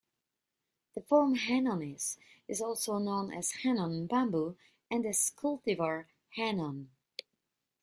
The form "henonis" is also known as Henon bamboo and as cultivar 'Henon'.